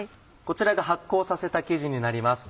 こちらが発酵させた生地になります。